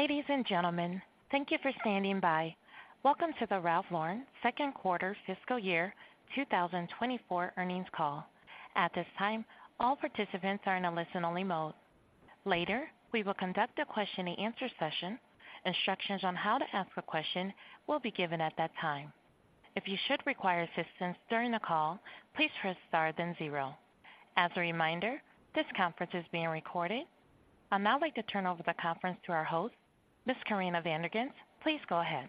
Ladies and gentlemen, thank you for standing by. Welcome to the Ralph Lauren second quarter fiscal year 2024 earnings call. At this time, all participants are in a listen-only mode. Later, we will conduct a question and answer session. Instructions on how to ask a question will be given at that time. If you should require assistance during the call, please press Star then zero. As a reminder, this conference is being recorded. I'd now like to turn over the conference to our host, Ms. Corinna Van der Ghinst. Please go ahead.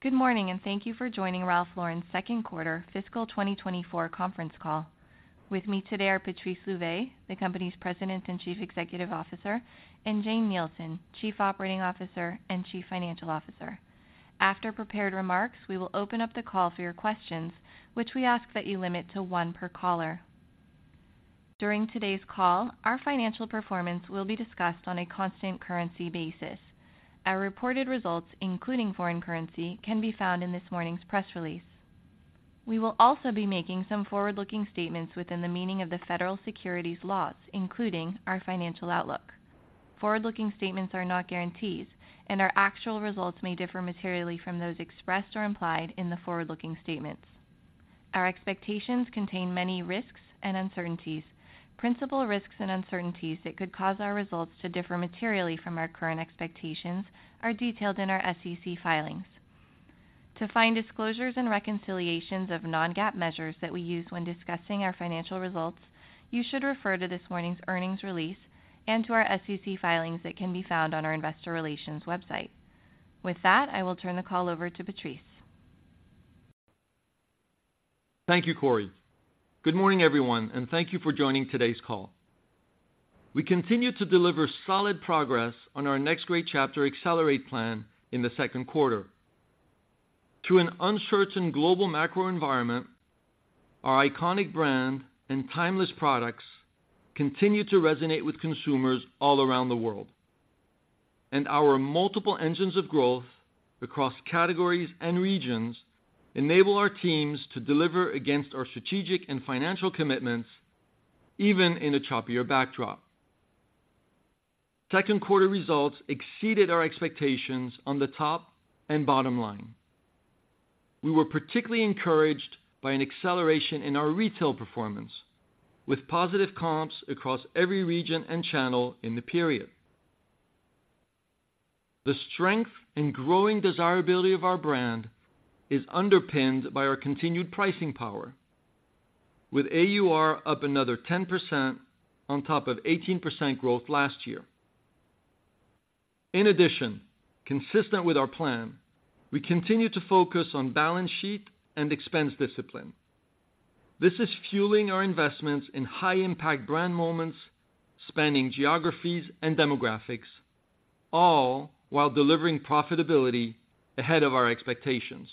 Good morning, and thank you for joining Ralph Lauren's second quarter fiscal 2024 conference call. With me today are Patrice Louvet, the company's President and Chief Executive Officer, and Jane Nielsen, Chief Operating Officer and Chief Financial Officer. After prepared remarks, we will open up the call for your questions, which we ask that you limit to one per caller. During today's call, our financial performance will be discussed on a constant currency basis. Our reported results, including foreign currency, can be found in this morning's press release. We will also be making some forward-looking statements within the meaning of the federal securities laws, including our financial outlook. Forward-looking statements are not guarantees, and our actual results may differ materially from those expressed or implied in the forward-looking statements. Our expectations contain many risks and uncertainties. Principal risks and uncertainties that could cause our results to differ materially from our current expectations are detailed in our SEC filings. To find disclosures and reconciliations of non-GAAP measures that we use when discussing our financial results, you should refer to this morning's earnings release and to our SEC filings that can be found on our investor relations website. With that, I will turn the call over to Patrice. Thank you, Cori. Good morning, everyone, and thank you for joining today's call. We continue to deliver solid progress on our Next Great Chapter Accelerate plan in the second quarter. Through an uncertain global macro environment, our iconic brand and timeless products continue to resonate with consumers all around the world, and our multiple engines of growth across categories and regions enable our teams to deliver against our strategic and financial commitments, even in a choppier backdrop. Second quarter results exceeded our expectations on the top and bottom line. We were particularly encouraged by an acceleration in our retail performance, with positive comps across every region and channel in the period. The strength and growing desirability of our brand is underpinned by our continued pricing power, with AUR up another 10% on top of 18% growth last year. In addition, consistent with our plan, we continue to focus on balance sheet and expense discipline. This is fueling our investments in high-impact brand moments, spanning geographies and demographics, all while delivering profitability ahead of our expectations.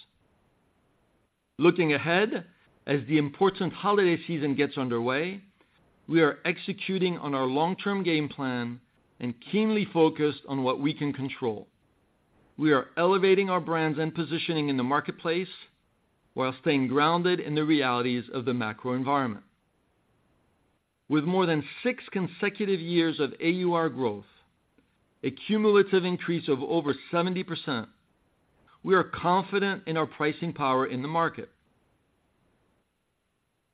Looking ahead, as the important holiday season gets underway, we are executing on our long-term game plan and keenly focused on what we can control. We are elevating our brands and positioning in the marketplace while staying grounded in the realities of the macro environment. With more than six consecutive years of AUR growth, a cumulative increase of over 70%, we are confident in our pricing power in the market.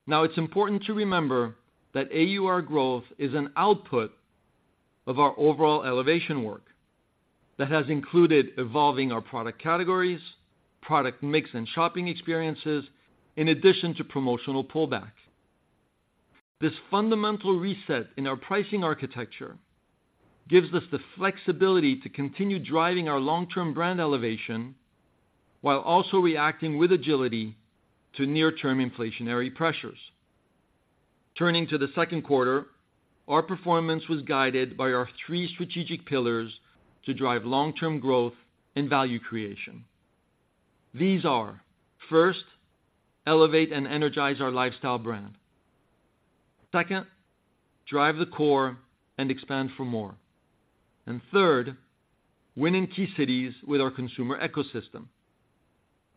Now, it's important to remember that AUR growth is an output of our overall elevation work that has included evolving our product categories, product mix, and shopping experiences, in addition to promotional pullbacks. This fundamental reset in our pricing architecture gives us the flexibility to continue driving our long-term brand elevation while also reacting with agility to near-term inflationary pressures. Turning to the second quarter, our performance was guided by our three strategic pillars to drive long-term growth and value creation. These are, first, elevate and energize our lifestyle brand. Second, drive the core and expand for more. And third, win in key cities with our consumer ecosystem.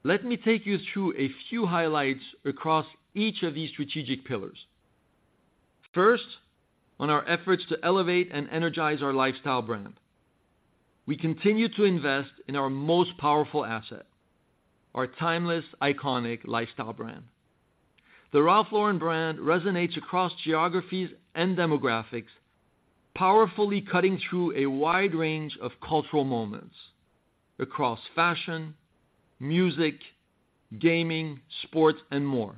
Let me take you through a few highlights across each of these strategic pillars. First, on our efforts to elevate and energize our lifestyle brand, we continue to invest in our most powerful asset, our timeless, iconic lifestyle brand. The Ralph Lauren brand resonates across geographies and demographics, powerfully cutting through a wide range of cultural moments across fashion, music, gaming, sports, and more.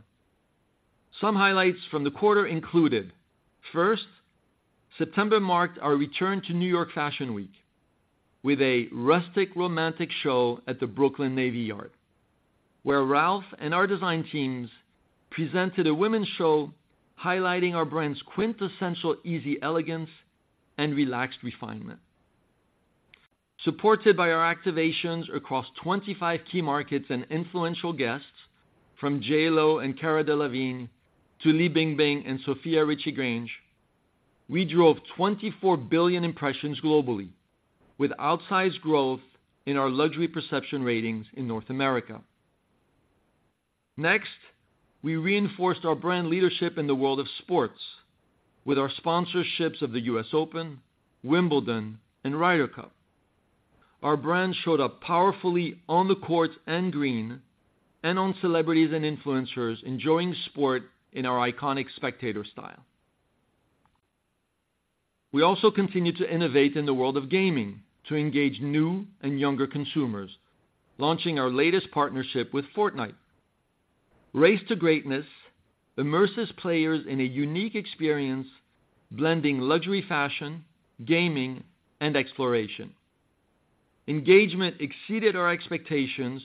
Some highlights from the quarter included, first, September marked our return to New York Fashion Week with a rustic, romantic show at the Brooklyn Navy Yard, where Ralph and our design teams presented a women's show highlighting our brand's quintessential easy elegance and relaxed refinement. Supported by our activations across 25 key markets and influential guests, from J.Lo and Cara Delevingne to Li Bingbing and Sofia Richie Grainge, we drove 24 billion impressions globally, with outsized growth in our luxury perception ratings in North America. Next, we reinforced our brand leadership in the world of sports with our sponsorships of the U.S. Open, Wimbledon, and Ryder Cup. Our brand showed up powerfully on the courts and green, and on celebrities and influencers enjoying sport in our iconic spectator style. We also continued to innovate in the world of gaming to engage new and younger consumers, launching our latest partnership with Fortnite. Race to Greatness immerses players in a unique experience, blending luxury fashion, gaming, and exploration. Engagement exceeded our expectations,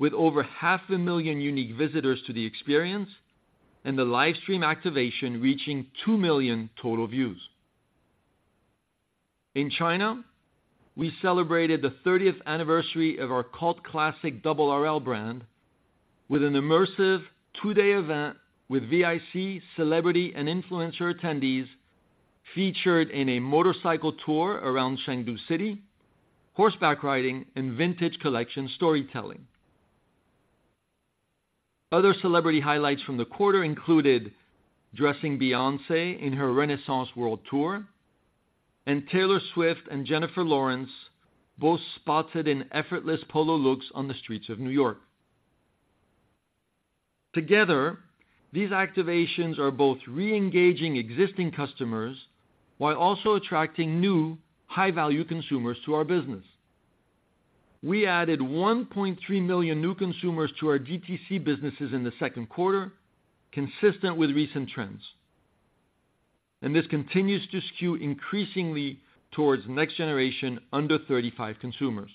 with over 500,000 unique visitors to the experience, and the live stream activation reaching 2 million total views. In China, we celebrated the 30th anniversary of our cult classic Double RL brand with an immersive two-day event with VIC, celebrity, and influencer attendees, featured in a motorcycle tour around Chengdu city horseback riding, and vintage collection storytelling. Other celebrity highlights from the quarter included dressing Beyoncé in her Renaissance World Tour, and Taylor Swift and Jennifer Lawrence both spotted in effortless Polo looks on the streets of New York. Together, these activations are both reengaging existing customers while also attracting new, high-value consumers to our business. We added 1.3 million new consumers to our DTC businesses in the second quarter, consistent with recent trends, and this continues to skew increasingly towards next-generation, under-35 consumers.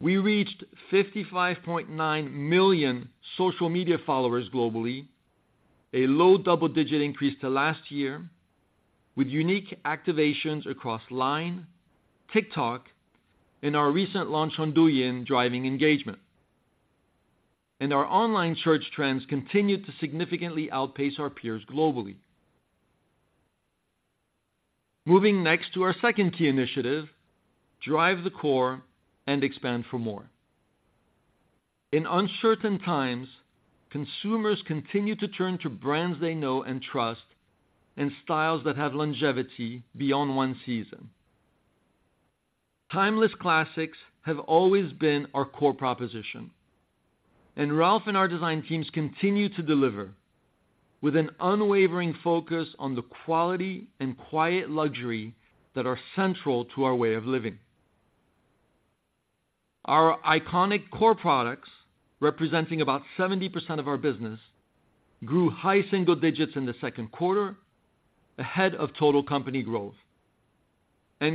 We reached 55.9 million social media followers globally, a low double-digit increase to last year, with unique activations across LINE, TikTok, and our recent launch on Douyin, driving engagement. Our online search trends continued to significantly outpace our peers globally. Moving next to our second key initiative, drive the core and expand for more. In uncertain times, consumers continue to turn to brands they know and trust, and styles that have longevity beyond one season. Timeless classics have always been our core proposition, and Ralph and our design teams continue to deliver with an unwavering focus on the quality and quiet luxury that are central to our way of living. Our iconic core products, representing about 70% of our business, grew high single digits in the second quarter, ahead of total company growth.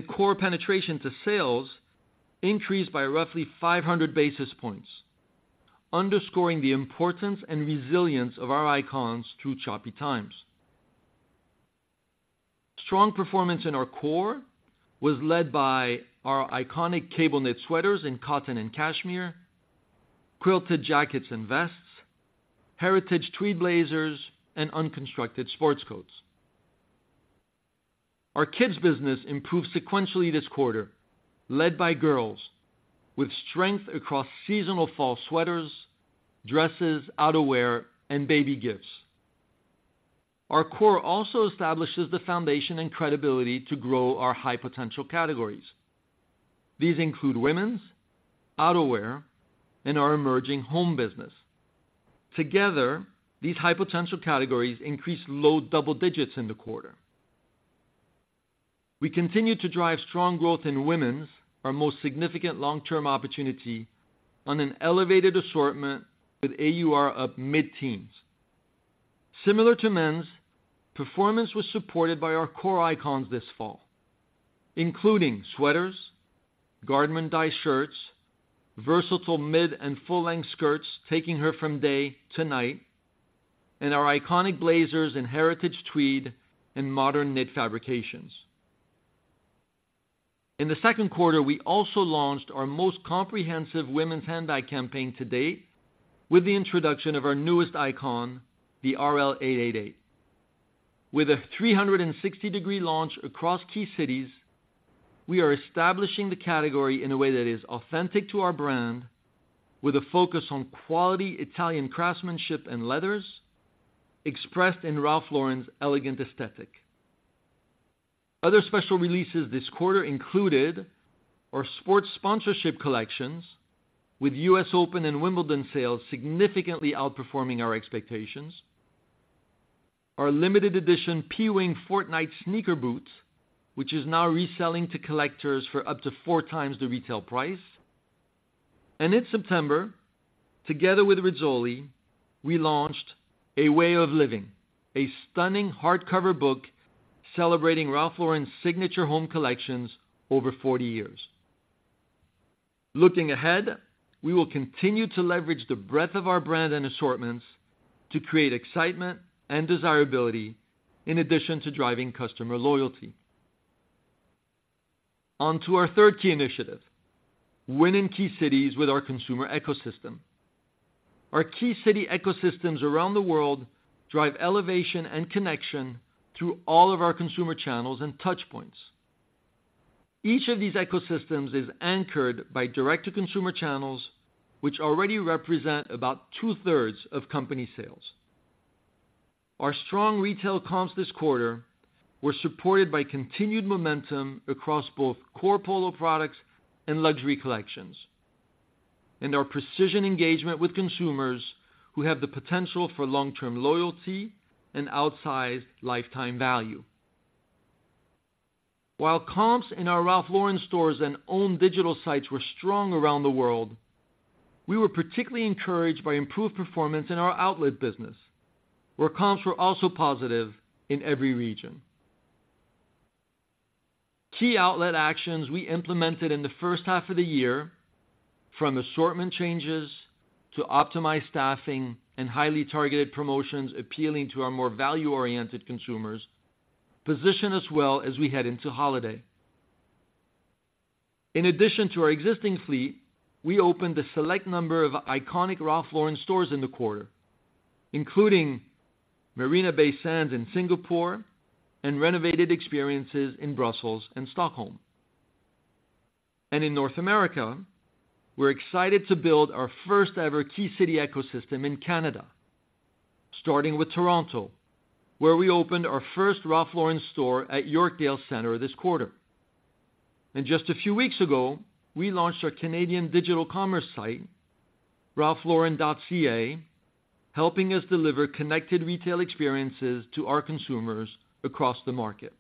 Core penetration to sales increased by roughly 500 basis points, underscoring the importance and resilience of our icons through choppy times. Strong performance in our core was led by our iconic cable knit sweaters in cotton and cashmere, quilted jackets and vests, heritage tweed blazers, and unconstructed sports coats. Our kids business improved sequentially this quarter, led by girls with strength across seasonal fall sweaters, dresses, outerwear, and baby gifts. Our core also establishes the foundation and credibility to grow our high-potential categories. These include women's, outerwear, and our emerging home business. Together, these high-potential categories increased low double digits in the quarter. We continued to drive strong growth in women's, our most significant long-term opportunity, on an elevated assortment with AUR up mid-teens. Similar to men's, performance was supported by our core icons this fall, including sweaters, garment-dyed shirts, versatile mid and full-length skirts, taking her from day to night, and our iconic blazers in heritage tweed and modern knit fabrications. In the second quarter, we also launched our most comprehensive women's handbag campaign to date, with the introduction of our newest icon, the RL 888. With a 360-degree launch across key cities, we are establishing the category in a way that is authentic to our brand, with a focus on quality Italian craftsmanship and leathers, expressed in Ralph Lauren's elegant aesthetic. Other special releases this quarter included our sports sponsorship collections, with U.S. Open and Wimbledon sales significantly outperforming our expectations, our limited edition P-Wing Fortnite sneaker boots, which is now reselling to collectors for up to four times the retail price. In September, together with Rizzoli, we launched A Way of Living, a stunning hardcover book celebrating Ralph Lauren's signature home collections over 40 years. Looking ahead, we will continue to leverage the breadth of our brand and assortments to create excitement and desirability, in addition to driving customer loyalty. On to our third key initiative, win in key cities with our consumer ecosystem. Our Key City ecosystems around the world drive elevation and connection through all of our consumer channels and touch points. Each of these ecosystems is anchored by direct-to-consumer channels, which already represent about two-thirds of company sales. Our strong retail comps this quarter were supported by continued momentum across both core Polo products and luxury collections, and our precision engagement with consumers who have the potential for long-term loyalty and outsized lifetime value. While comps in our Ralph Lauren stores and own digital sites were strong around the world, we were particularly encouraged by improved performance in our outlet business, where comps were also positive in every region. Key outlet actions we implemented in the first half of the year, from assortment changes to optimized staffing and highly targeted promotions appealing to our more value-oriented consumers, position us well as we head into holiday. In addition to our existing fleet, we opened a select number of iconic Ralph Lauren stores in the quarter, including Marina Bay Sands in Singapore and renovated experiences in Brussels and Stockholm. In North America, we're excited to build our first-ever Key City Ecosystem in Canada, starting with Toronto, where we opened our first Ralph Lauren store at Yorkdale Centre this quarter. Just a few weeks ago, we launched our Canadian digital commerce site, ralphlauren.ca, helping us deliver Connected Retail experiences to our consumers across the market.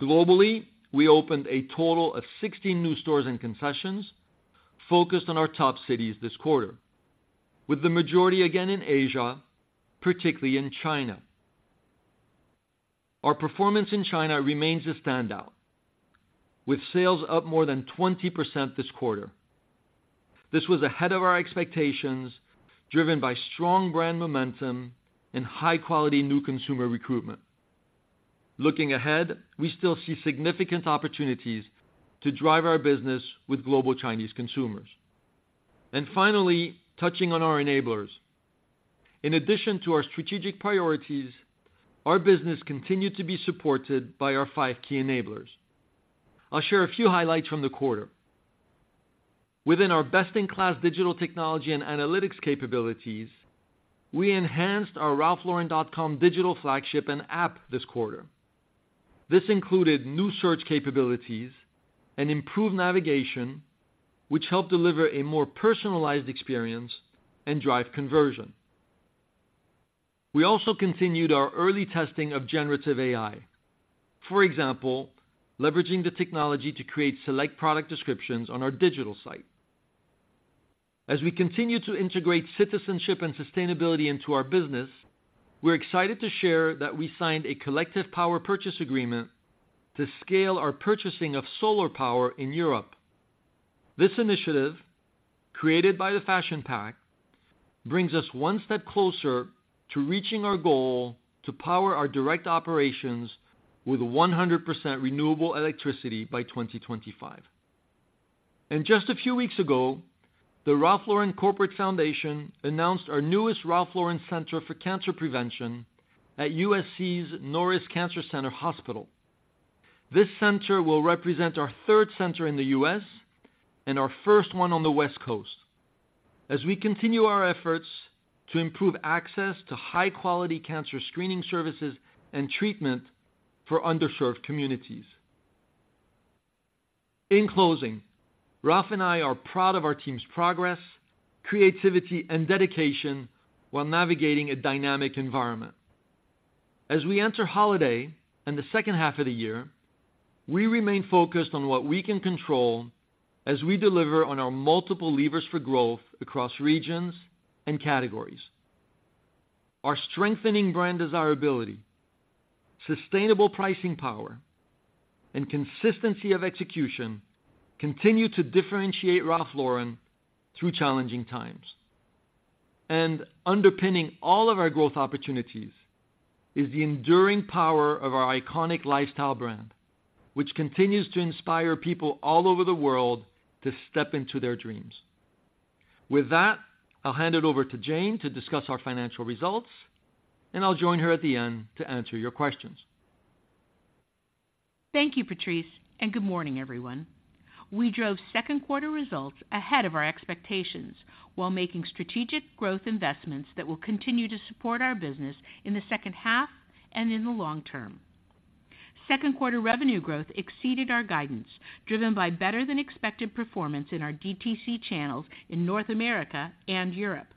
Globally, we opened a total of 16 new stores and concessions focused on our top cities this quarter, with the majority again in Asia, particularly in China. Our performance in China remains a standout, with sales up more than 20% this quarter. This was ahead of our expectations, driven by strong brand momentum and high-quality new consumer recruitment. Looking ahead, we still see significant opportunities to drive our business with global Chinese consumers. Finally, touching on our enablers. In addition to our strategic priorities, our business continued to be supported by our five key enablers. I'll share a few highlights from the quarter. Within our best-in-class digital technology and analytics capabilities, we enhanced our ralphlauren.com digital flagship and app this quarter. This included new search capabilities and improved navigation, which helped deliver a more personalized experience and drive conversion. We also continued our early testing of generative AI. For example, leveraging the technology to create select product descriptions on our digital site. As we continue to integrate citizenship and sustainability into our business, we're excited to share that we signed a collective power purchase agreement to scale our purchasing of solar power in Europe. This initiative, created by the Fashion Pact, brings us one step closer to reaching our goal to power our direct operations with 100% renewable electricity by 2025. Just a few weeks ago, the Ralph Lauren Corporate Foundation announced our newest Ralph Lauren Center for Cancer Prevention at USC's Norris Cancer Center Hospital. This center will represent our third center in the U.S. and our first one on the West Coast, as we continue our efforts to improve access to high-quality cancer screening services and treatment for underserved communities. In closing, Ralph and I are proud of our team's progress, creativity, and dedication while navigating a dynamic environment. As we enter holiday and the second half of the year, we remain focused on what we can control as we deliver on our multiple levers for growth across regions and categories. Our strengthening brand desirability, sustainable pricing power, and consistency of execution continue to differentiate Ralph Lauren through challenging times. And underpinning all of our growth opportunities is the enduring power of our iconic lifestyle brand, which continues to inspire people all over the world to step into their dreams. With that, I'll hand it over to Jane to discuss our financial results, and I'll join her at the end to answer your questions. Thank you, Patrice, and good morning, everyone. We drove second quarter results ahead of our expectations while making strategic growth investments that will continue to support our business in the second half and in the long term. Second quarter revenue growth exceeded our guidance, driven by better-than-expected performance in our DTC channels in North America and Europe,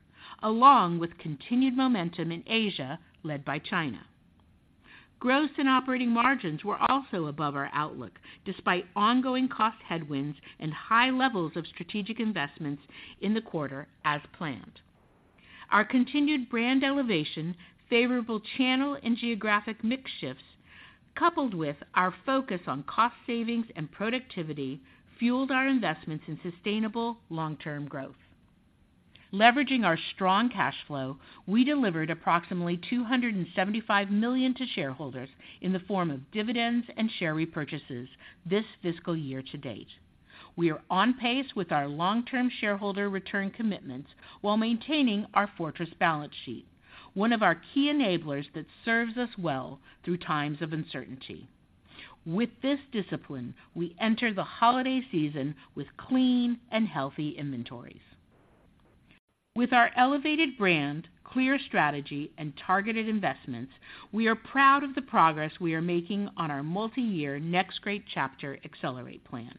along with continued momentum in Asia, led by China. Gross and operating margins were also above our outlook, despite ongoing cost headwinds and high levels of strategic investments in the quarter as planned. Our continued brand elevation, favorable channel and geographic mix shifts, coupled with our focus on cost savings and productivity, fueled our investments in sustainable long-term growth. Leveraging our strong cash flow, we delivered approximately $275 million to shareholders in the form of dividends and share repurchases this fiscal year to date.... We are on pace with our long-term shareholder return commitments while maintaining our fortress balance sheet, one of our key enablers that serves us well through times of uncertainty. With this discipline, we enter the holiday season with clean and healthy inventories. With our elevated brand, clear strategy, and targeted investments, we are proud of the progress we are making on our multi-year Next Great Chapter Accelerate plan.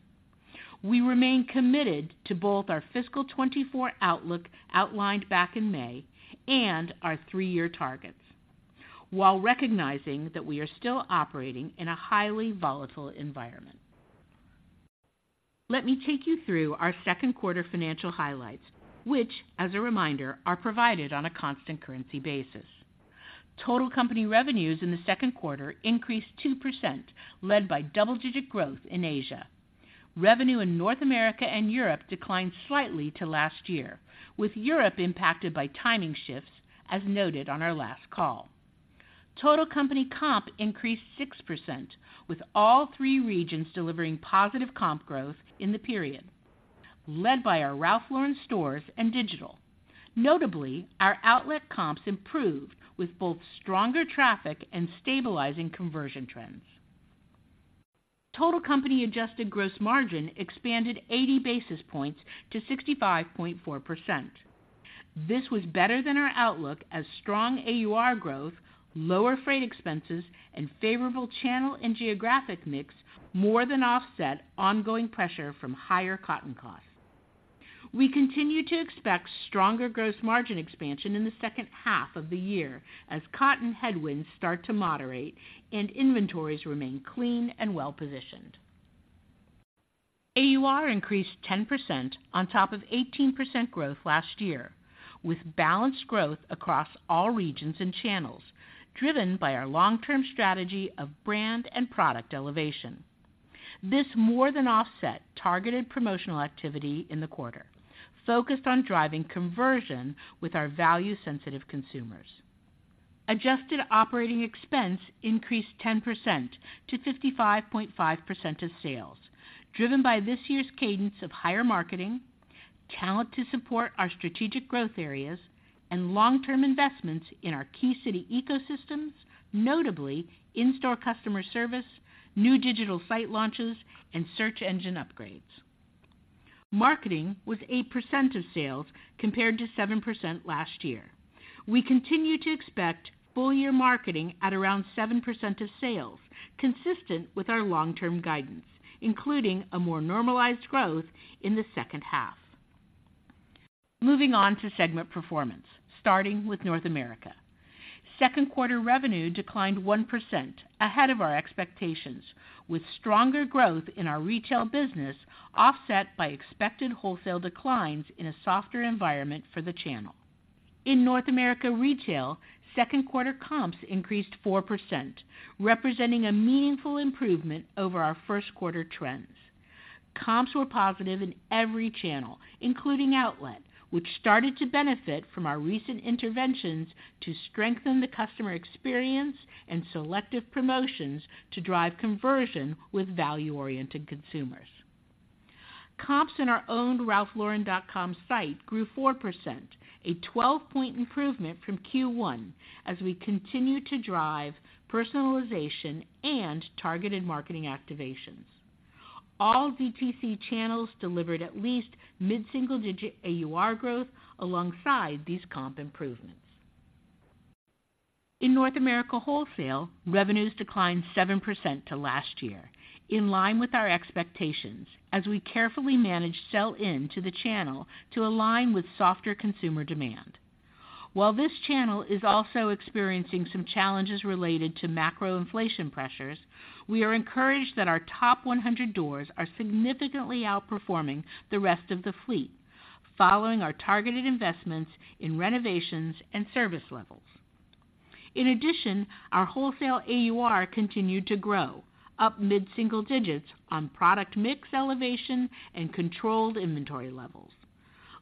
We remain committed to both our fiscal 2024 outlook outlined back in May and our three-year targets, while recognizing that we are still operating in a highly volatile environment. Let me take you through our second quarter financial highlights, which, as a reminder, are provided on a constant currency basis. Total company revenues in the second quarter increased 2%, led by double-digit growth in Asia. Revenue in North America and Europe declined slightly to last year, with Europe impacted by timing shifts, as noted on our last call. Total company comp increased 6%, with all three regions delivering positive comp growth in the period, led by our Ralph Lauren stores and digital. Notably, our outlet comps improved with both stronger traffic and stabilizing conversion trends. Total company adjusted gross margin expanded 80 basis points to 65.4%. This was better than our outlook as strong AUR growth, lower freight expenses, and favorable channel and geographic mix more than offset ongoing pressure from higher cotton costs. We continue to expect stronger gross margin expansion in the second half of the year as cotton headwinds start to moderate and inventories remain clean and well-positioned. AUR increased 10% on top of 18% growth last year, with balanced growth across all regions and channels, driven by our long-term strategy of brand and product elevation. This more than offset targeted promotional activity in the quarter, focused on driving conversion with our value-sensitive consumers. Adjusted operating expense increased 10% to 55.5% of sales, driven by this year's cadence of higher marketing, talent to support our strategic growth areas, and long-term investments in our Key City Ecosystems, notably in-store customer service, new digital site launches, and search engine upgrades. Marketing was 8% of sales, compared to 7% last year. We continue to expect full-year marketing at around 7% of sales, consistent with our long-term guidance, including a more normalized growth in the second half. Moving on to segment performance, starting with North America. Second quarter revenue declined 1%, ahead of our expectations, with stronger growth in our retail business offset by expected wholesale declines in a softer environment for the channel. In North America retail, second quarter comps increased 4%, representing a meaningful improvement over our first quarter trends. Comps were positive in every channel, including outlet, which started to benefit from our recent interventions to strengthen the customer experience and selective promotions to drive conversion with value-oriented consumers. Comps in our own RalphLauren.com site grew 4%, a 12-point improvement from Q1, as we continue to drive personalization and targeted marketing activations. All DTC channels delivered at least mid-single-digit AUR growth alongside these comp improvements. In North America wholesale, revenues declined 7% to last year, in line with our expectations, as we carefully managed sell-in to the channel to align with softer consumer demand. While this channel is also experiencing some challenges related to macro inflation pressures, we are encouraged that our top 100 doors are significantly outperforming the rest of the fleet, following our targeted investments in renovations and service levels. In addition, our wholesale AUR continued to grow, up mid-single digits on product mix elevation and controlled inventory levels.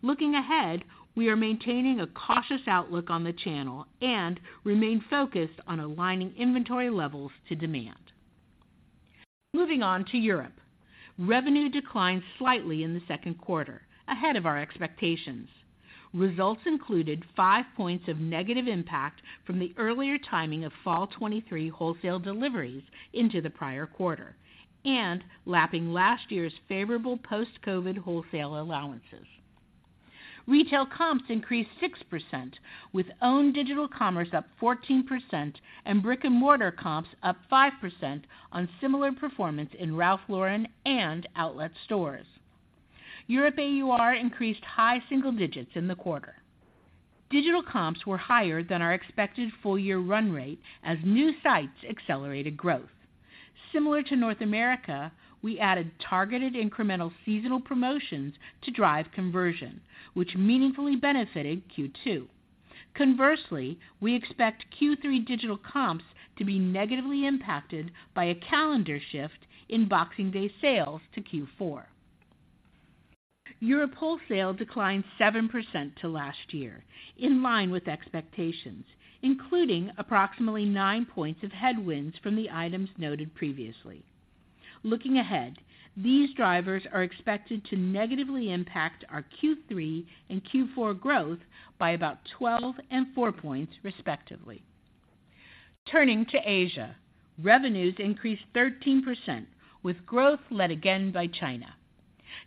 Looking ahead, we are maintaining a cautious outlook on the channel and remain focused on aligning inventory levels to demand. Moving on to Europe. Revenue declined slightly in the second quarter, ahead of our expectations. Results included 5 points of negative impact from the earlier timing of fall 2023 wholesale deliveries into the prior quarter and lapping last year's favorable post-COVID wholesale allowances. Retail comps increased 6%, with own digital commerce up 14% and brick-and-mortar comps up 5% on similar performance in Ralph Lauren and outlet stores. Europe AUR increased high single digits in the quarter. Digital comps were higher than our expected full-year run rate as new sites accelerated growth. Similar to North America, we added targeted incremental seasonal promotions to drive conversion, which meaningfully benefited Q2. Conversely, we expect Q3 digital comps to be negatively impacted by a calendar shift in Boxing Day sales to Q4. Europe wholesale declined 7% to last year, in line with expectations, including approximately 9 points of headwinds from the items noted previously. Looking ahead, these drivers are expected to negatively impact our Q3 and Q4 growth by about 12 and 4 points, respectively. Turning to Asia, revenues increased 13%, with growth led again by China.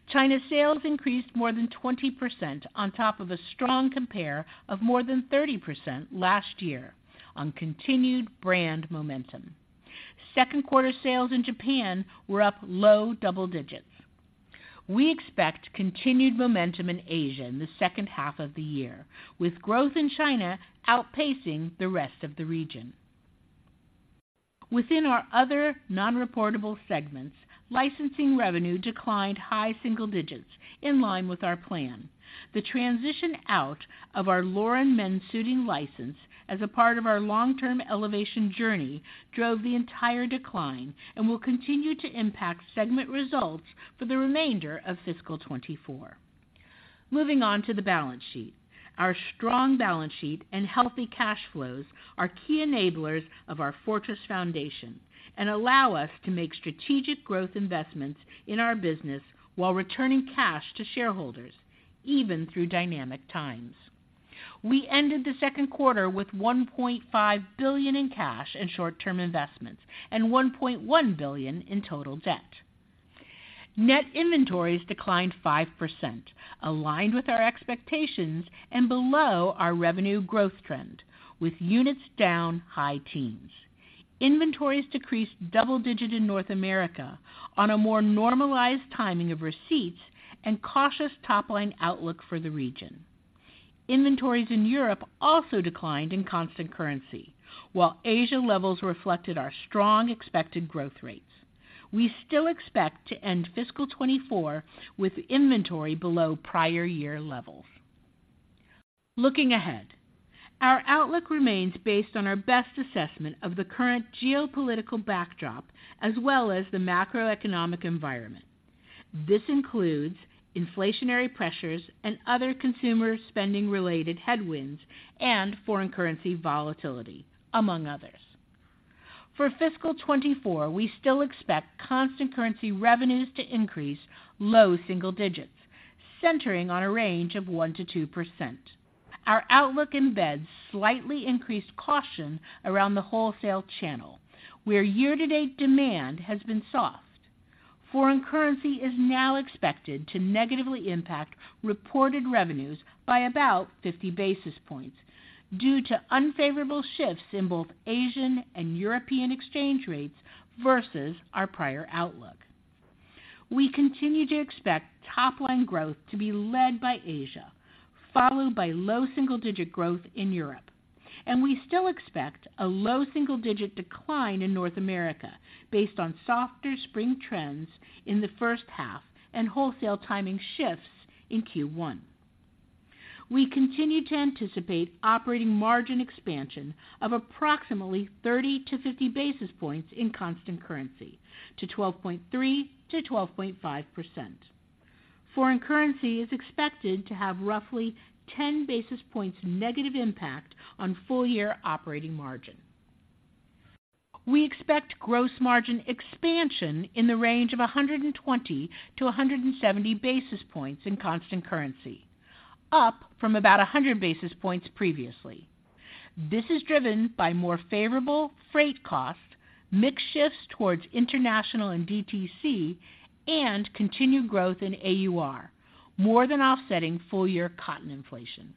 China's sales increased more than 20% on top of a strong compare of more than 30% last year on continued brand momentum. Second quarter sales in Japan were up low double digits. We expect continued momentum in Asia in the second half of the year, with growth in China outpacing the rest of the region. Within our other non-reportable segments, licensing revenue declined high single digits in line with our plan. The transition out of our Lauren men's suiting license as a part of our long-term elevation journey, drove the entire decline and will continue to impact segment results for the remainder of fiscal 2024. Moving on to the balance sheet. Our strong balance sheet and healthy cash flows are key enablers of our fortress foundation and allow us to make strategic growth investments in our business while returning cash to shareholders, even through dynamic times. We ended the second quarter with $1.5 billion in cash and short-term investments, and $1.1 billion in total debt. Net inventories declined 5%, aligned with our expectations and below our revenue growth trend, with units down high teens. Inventories decreased double-digit in North America on a more normalized timing of receipts and cautious top-line outlook for the region. Inventories in Europe also declined in constant currency, while Asia levels reflected our strong expected growth rates. We still expect to end fiscal 2024 with inventory below prior year levels. Looking ahead, our outlook remains based on our best assessment of the current geopolitical backdrop as well as the macroeconomic environment. This includes inflationary pressures and other consumer spending-related headwinds and foreign currency volatility, among others. For fiscal 2024, we still expect constant currency revenues to increase low single digits, centering on a range of 1%-2%. Our outlook embeds slightly increased caution around the wholesale channel, where year-to-date demand has been soft. Foreign currency is now expected to negatively impact reported revenues by about 50 basis points due to unfavorable shifts in both Asian and European exchange rates versus our prior outlook. We continue to expect top-line growth to be led by Asia, followed by low single-digit growth in Europe, and we still expect a low single-digit decline in North America based on softer spring trends in the first half and wholesale timing shifts in Q1. We continue to anticipate operating margin expansion of approximately 30-50 basis points in constant currency to 12.3%-12.5%. Foreign currency is expected to have roughly 10 basis points negative impact on full year operating margin. We expect gross margin expansion in the range of 120-170 basis points in constant currency, up from about 100 basis points previously. This is driven by more favorable freight costs, mix shifts towards international and DTC, and continued growth in AUR, more than offsetting full-year cotton inflation.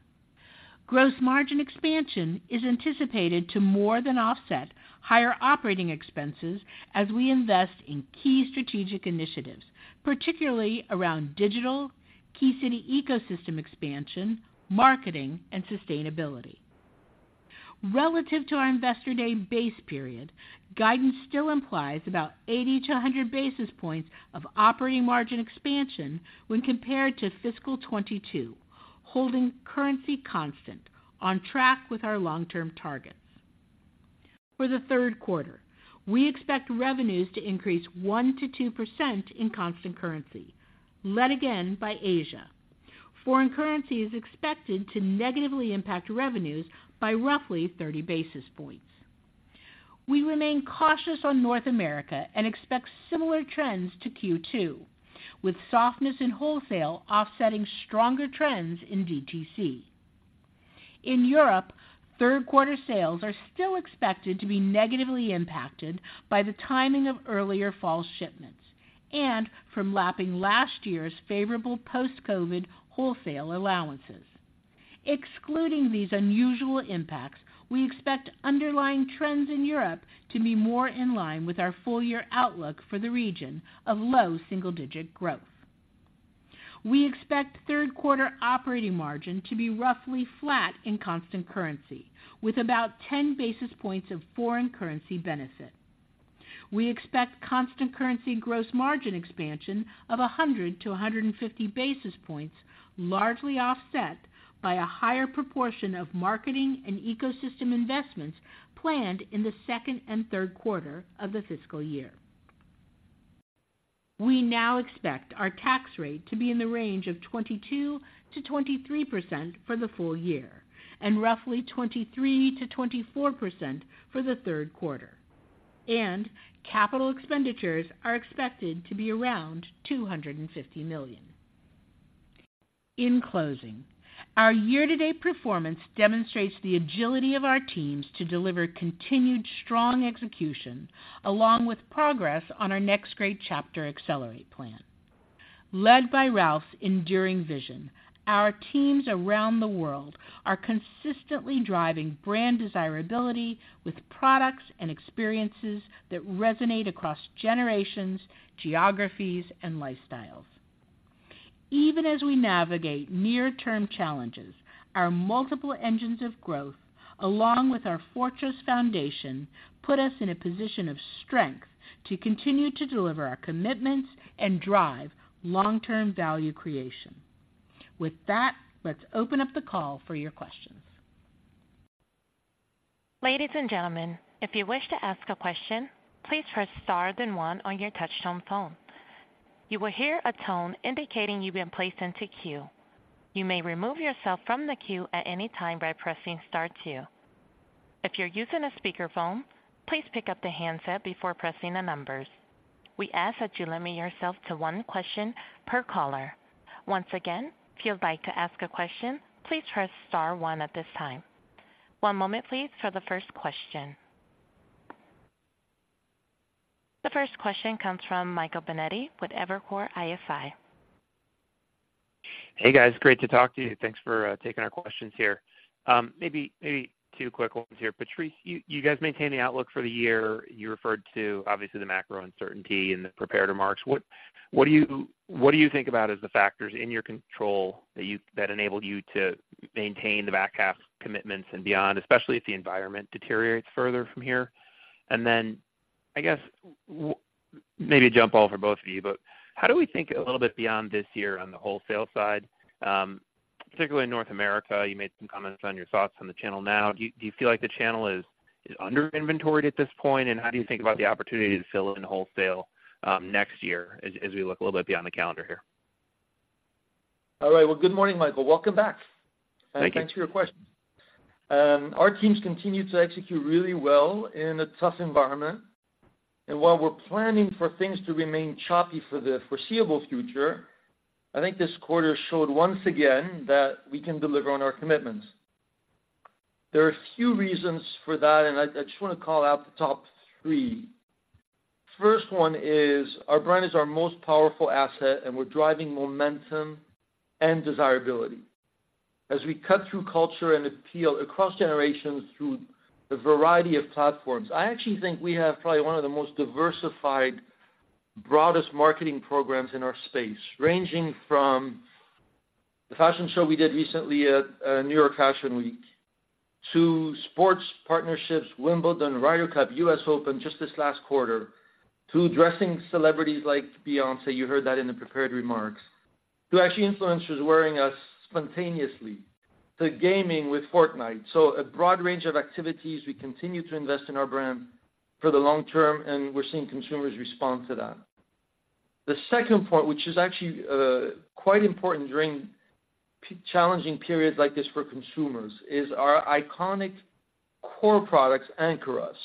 Gross margin expansion is anticipated to more than offset higher operating expenses as we invest in key strategic initiatives, particularly around digital, Key City Ecosystem expansion, marketing, and sustainability. Relative to our Investor Day base period, guidance still implies about 80-100 basis points of operating margin expansion when compared to fiscal 2022, holding currency constant on track with our long-term targets. For the third quarter, we expect revenues to increase 1%-2% in constant currency, led again by Asia. Foreign currency is expected to negatively impact revenues by roughly 30 basis points. We remain cautious on North America and expect similar trends to Q2, with softness in wholesale offsetting stronger trends in DTC. In Europe, third quarter sales are still expected to be negatively impacted by the timing of earlier fall shipments and from lapping last year's favorable post-Covid wholesale allowances. Excluding these unusual impacts, we expect underlying trends in Europe to be more in line with our full year outlook for the region of low single-digit growth. We expect third quarter operating margin to be roughly flat in constant currency, with about 10 basis points of foreign currency benefit. We expect constant currency gross margin expansion of 100-150 basis points, largely offset by a higher proportion of marketing and ecosystem investments planned in the second and third quarter of the fiscal year.... We now expect our tax rate to be in the range of 22%-23% for the full year, and roughly 23%-24% for the third quarter. Capital expenditures are expected to be around $250 million. In closing, our year-to-date performance demonstrates the agility of our teams to deliver continued strong execution, along with progress on our Next Great Chapter Accelerate plan. Led by Ralph's enduring vision, our teams around the world are consistently driving brand desirability with products and experiences that resonate across generations, geographies, and lifestyles. Even as we navigate near-term challenges, our multiple engines of growth, along with our fortress foundation, put us in a position of strength to continue to deliver our commitments and drive long-term value creation. With that, let's open up the call for your questions. Ladies and gentlemen, if you wish to ask a question, please press star, then one on your touchtone phone. You will hear a tone indicating you've been placed into queue. You may remove yourself from the queue at any time by pressing star two. If you're using a speakerphone, please pick up the handset before pressing the numbers. We ask that you limit yourself to one question per caller. Once again, if you'd like to ask a question, please press star one at this time. One moment, please, for the first question. The first question comes from Michael Binetti with Evercore ISI. Hey, guys. Great to talk to you. Thanks for taking our questions here. Maybe two quick ones here. Patrice, you guys maintain the outlook for the year. You referred to, obviously, the macro uncertainty in the prepared remarks. What do you think about as the factors in your control that enable you to maintain the back half commitments and beyond, especially if the environment deteriorates further from here? And then, I guess, maybe a jump ball for both of you, but how do we think a little bit beyond this year on the wholesale side, particularly in North America? You made some comments on your thoughts on the channel now. Do you feel like the channel is under inventoried at this point? How do you think about the opportunity to fill in wholesale next year as, as we look a little bit beyond the calendar here? All right. Well, good morning, Michael. Welcome back. Thank you. Thanks for your question. Our teams continue to execute really well in a tough environment, and while we're planning for things to remain choppy for the foreseeable future, I think this quarter showed once again that we can deliver on our commitments. There are a few reasons for that, and I just wanna call out the top three. First one is our brand is our most powerful asset, and we're driving momentum and desirability. As we cut through culture and appeal across generations through a variety of platforms, I actually think we have probably one of the most diversified, broadest marketing programs in our space, ranging from the fashion show we did recently at New York Fashion Week, to sports partnerships, Wimbledon, Ryder Cup, US Open, just this last quarter, to dressing celebrities like Beyoncé, you heard that in the prepared remarks, to actually influencers wearing us spontaneously, to gaming with Fortnite. So a broad range of activities. We continue to invest in our brand for the long term, and we're seeing consumers respond to that. The second point, which is actually quite important during challenging periods like this for consumers, is our iconic core products anchor us.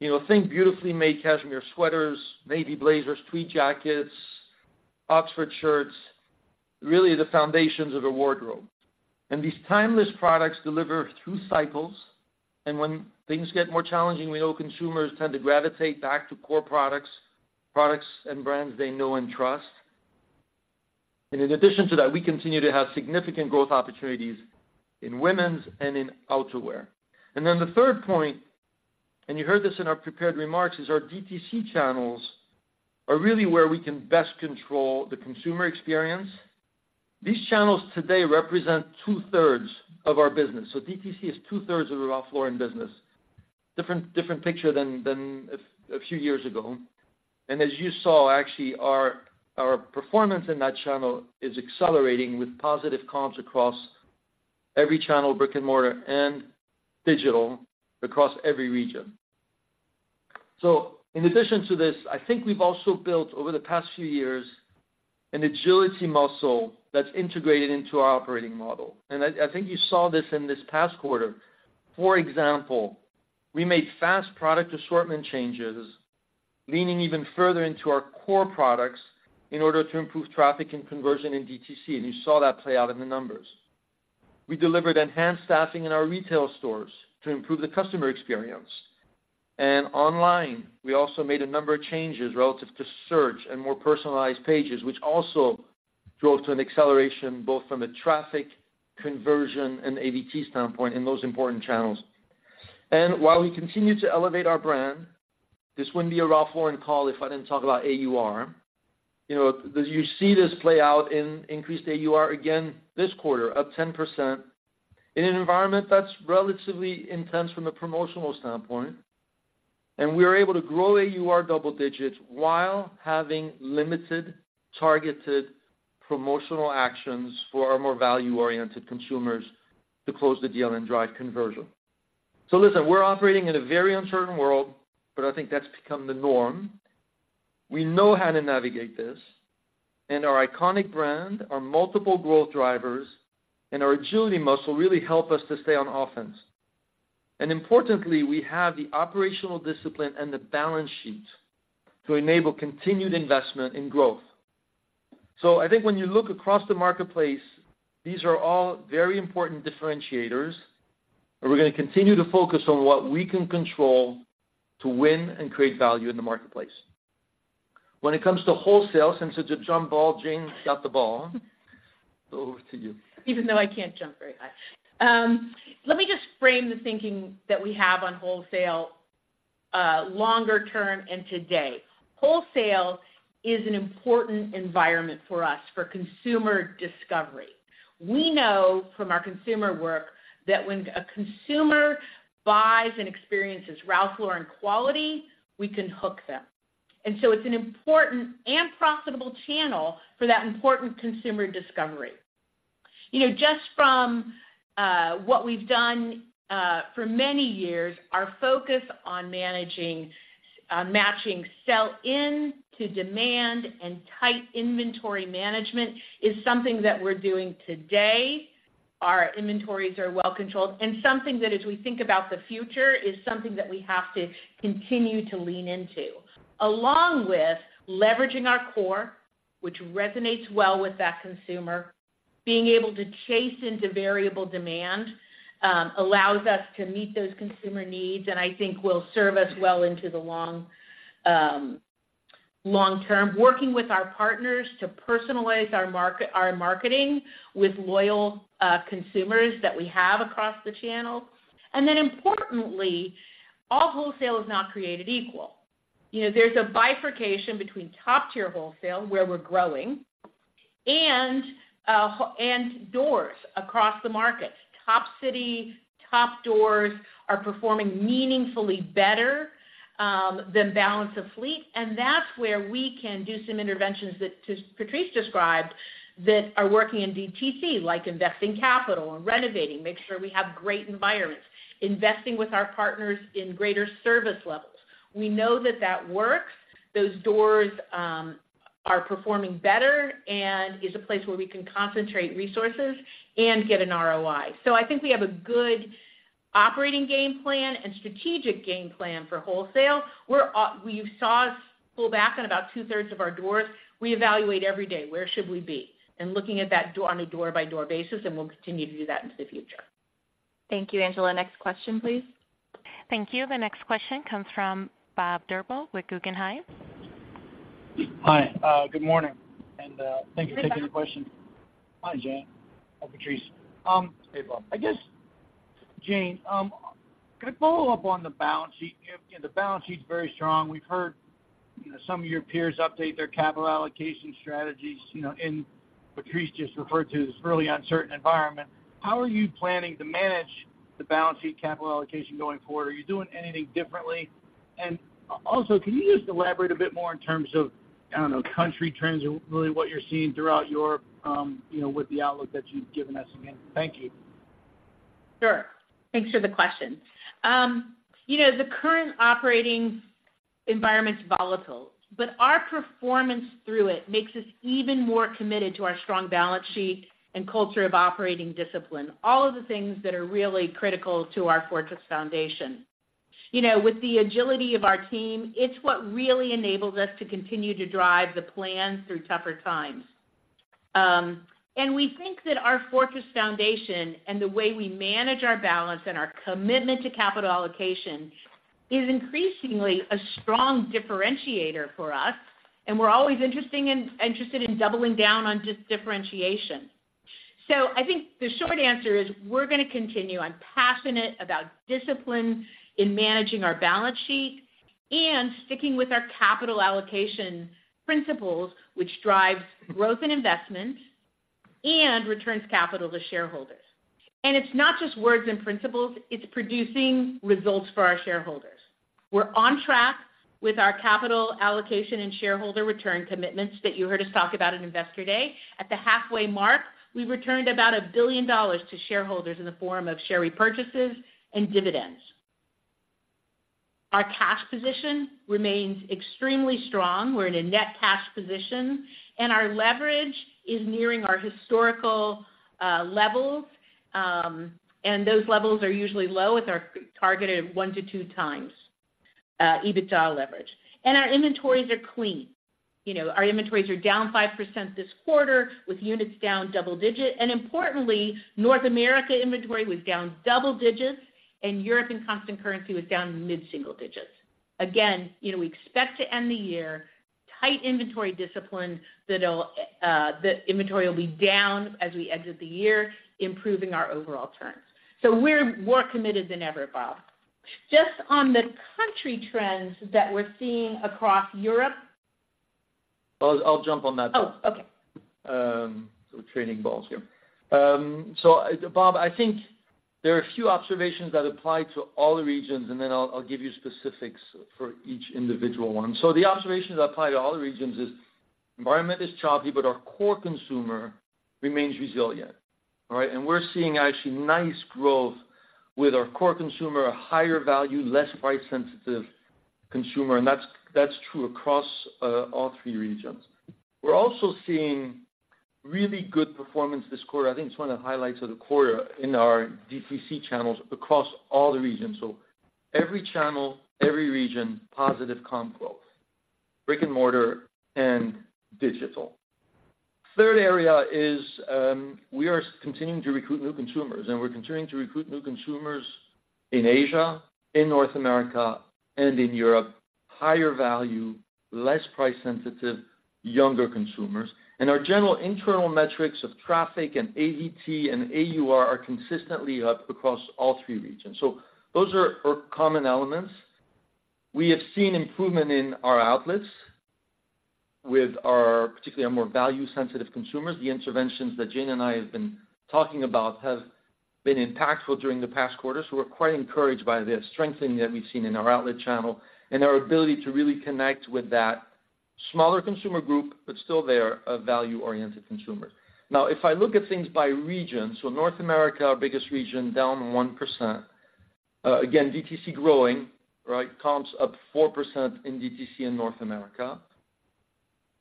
You know, think beautifully made cashmere sweaters, navy blazers, tweed jackets, oxford shirts, really the foundations of a wardrobe. These timeless products deliver through cycles, and when things get more challenging, we know consumers tend to gravitate back to core products, products and brands they know and trust. In addition to that, we continue to have significant growth opportunities in women's and in outerwear. Then the third point, and you heard this in our prepared remarks, is our DTC channels are really where we can best control the consumer experience. These channels today represent two-thirds of our business. So DTC is 2/3 of the Ralph Lauren business. Different picture than a few years ago. As you saw, actually, our performance in that channel is accelerating with positive comps across every channel, brick-and-mortar and digital, across every region. So in addition to this, I think we've also built, over the past few years, an agility muscle that's integrated into our operating model, and I, I think you saw this in this past quarter. For example, we made fast product assortment changes, leaning even further into our core products in order to improve traffic and conversion in DTC, and you saw that play out in the numbers. We delivered enhanced staffing in our retail stores to improve the customer experience. Online, we also made a number of changes relative to search and more personalized pages, which also drove to an acceleration, both from a traffic conversion and ABT standpoint in those important channels. While we continue to elevate our brand, this wouldn't be a Ralph Lauren call if I didn't talk about AUR. You know, you see this play out in increased AUR again this quarter, up 10%, in an environment that's relatively intense from a promotional standpoint. And we are able to grow AUR double digits while having limited, targeted promotional actions for our more value-oriented consumers to close the deal and drive conversion. So listen, we're operating in a very uncertain world, but I think that's become the norm. We know how to navigate this, and our iconic brand, our multiple growth drivers, and our agility muscle really help us to stay on offense. And importantly, we have the operational discipline and the balance sheet to enable continued investment in growth. So I think when you look across the marketplace, these are all very important differentiators, and we're gonna continue to focus on what we can control to win and create value in the marketplace. When it comes to wholesale, since it's a jump ball, Jane's got the ball. Over to you. Even though I can't jump very high. Let me just frame the thinking that we have on wholesale, longer term and today. Wholesale is an important environment for us for consumer discovery. We know from our consumer work that when a consumer buys and experiences Ralph Lauren quality, we can hook them. And so it's an important and profitable channel for that important consumer discovery. You know, just from what we've done for many years, our focus on managing matching sell-in to demand and tight inventory management is something that we're doing today. Our inventories are well controlled, and something that as we think about the future, is something that we have to continue to lean into. Along with leveraging our core, which resonates well with that consumer, being able to chase into variable demand, allows us to meet those consumer needs, and I think will serve us well into the long term. Working with our partners to personalize our marketing with loyal consumers that we have across the channel. And then importantly, all wholesale is not created equal. You know, there's a bifurcation between top-tier wholesale, where we're growing, and doors across the market. Top city, top doors are performing meaningfully better than balance of fleet, and that's where we can do some interventions that just Patrice described, that are working in DTC, like investing capital and renovating, make sure we have great environments, investing with our partners in greater service levels. We know that that works. Those doors are performing better and is a place where we can concentrate resources and get an ROI. So I think we have a good operating game plan and strategic game plan for wholesale. We're, you saw us pull back on about two-thirds of our doors. We evaluate every day, where should we be? And looking at that door on a door-by-door basis, and we'll continue to do that into the future. Thank you, Angela. Next question, please. Thank you. The next question comes from Bob Drbul with Guggenheim. Hi, good morning, and thank you for taking the question. Hi, Jane. Hi, Patrice. Hey, Bob. I guess, Jane, could I follow up on the balance sheet? You know, the balance sheet's very strong. We've heard, you know, some of your peers update their capital allocation strategies, you know, and Patrice just referred to this really uncertain environment. How are you planning to manage the balance sheet capital allocation going forward? Are you doing anything differently? And also, can you just elaborate a bit more in terms of, I don't know, country trends and really what you're seeing throughout Europe, you know, with the outlook that you've given us again? Thank you. Sure. Thanks for the question. You know, the current operating environment's volatile, but our performance through it makes us even more committed to our strong balance sheet and culture of operating discipline, all of the things that are really critical to our fortress foundation. You know, with the agility of our team, it's what really enables us to continue to drive the plan through tougher times. And we think that our fortress foundation and the way we manage our balance and our commitment to capital allocation is increasingly a strong differentiator for us, and we're always interested in doubling down on just differentiation. So I think the short answer is, we're gonna continue. I'm passionate about discipline in managing our balance sheet and sticking with our capital allocation principles, which drives growth and investment and returns capital to shareholders. It's not just words and principles, it's producing results for our shareholders. We're on track with our capital allocation and shareholder return commitments that you heard us talk about at Investor Day. At the halfway mark, we returned about $1 billion to shareholders in the form of share repurchases and dividends. Our cash position remains extremely strong. We're in a net cash position, and our leverage is nearing our historical levels, and those levels are usually low with our targeted 1-2 times EBITDA leverage. Our inventories are clean. You know, our inventories are down 5% this quarter, with units down double-digit. Importantly, North America inventory was down double digits, and Europe and constant currency was down mid-single digits. Again, you know, we expect to end the year tight inventory discipline that'll, the inventory will be down as we exit the year, improving our overall trends. So we're more committed than ever, Bob. Just on the country trends that we're seeing across Europe- I'll jump on that. Oh, okay. So, Bob, I think there are a few observations that apply to all the regions, and then I'll, I'll give you specifics for each individual one. So the observations that apply to all the regions is. environment is choppy, but our core consumer remains resilient, all right? And we're seeing actually nice growth with our core consumer, a higher value, less price-sensitive consumer, and that's, that's true across, all three regions. We're also seeing really good performance this quarter. I think it's one of the highlights of the quarter in our DTC channels across all the regions. So every channel, every region, positive comp growth, brick-and-mortar and digital. Third area is, we are continuing to recruit new consumers, and we're continuing to recruit new consumers in Asia, in North America, and in Europe, higher value, less price-sensitive, younger consumers. And our general internal metrics of traffic and ADT and AUR are consistently up across all three regions. So those are common elements. We have seen improvement in our outlets with our, particularly our more value-sensitive consumers. The interventions that Jane and I have been talking about have been impactful during the past quarters. We're quite encouraged by the strengthening that we've seen in our outlet channel and our ability to really connect with that smaller consumer group, but still they are a value-oriented consumer. Now, if I look at things by region, so North America, our biggest region, down 1%. Again, DTC growing, right? Comps up 4% in DTC in North America,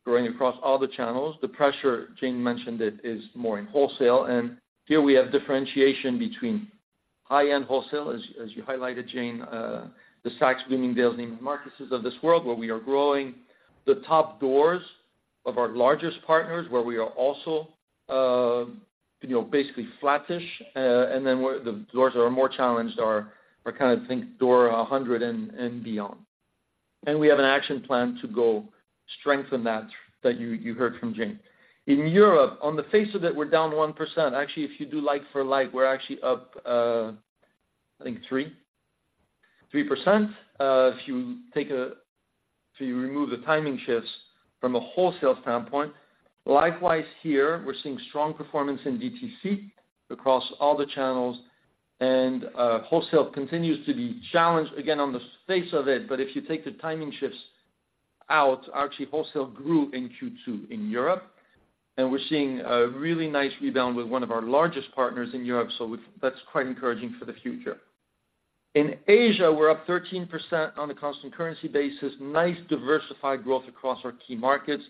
growing across all the channels. The pressure, Jane mentioned it, is more in wholesale, and here we have differentiation between high-end wholesale, as, as you highlighted, Jane, the Saks, Bloomingdale's, Neiman Marcus's of this world, where we are growing the top doors of our largest partners, where we are also, you know, basically flattish, and then where the doors are more challenged are, are kind of think door 100 and, and beyond. And we have an action plan to go strengthen that, that you, you heard from Jane. In Europe, on the face of it, we're down 1%. Actually, if you do like for like, we're actually up, I think 3%, if you take a, if you remove the timing shifts from a wholesale standpoint. Likewise, here, we're seeing strong performance in DTC across all the channels, and, wholesale continues to be challenged again on the face of it. But if you take the timing shifts out, actually, wholesale grew in Q2 in Europe, and we're seeing a really nice rebound with one of our largest partners in Europe, so with... That's quite encouraging for the future. In Asia, we're up 13% on a constant currency basis. Nice, diversified growth across our key markets.